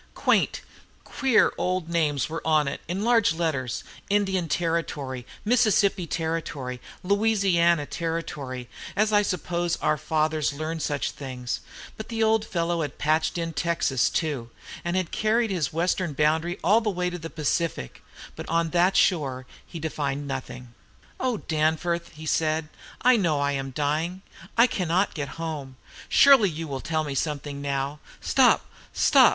Quaint, queer old names were on it, in large letters: 'Indiana Territory,' 'Mississippi Territory,' and 'Louisiana Territory,' as I suppose our fathers learned such things: but the old fellow had patched in Texas, too; he had carried his western boundary all the way to the Pacific, but on that shore he had defined nothing. "'O Captain,' he said, 'I know I am dying. I cannot get home. Surely you will tell me something now? Stop! stop!